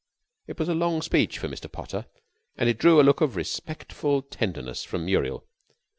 It was a long speech for Mr. Potter, and it drew a look of respectful tenderness from Muriel.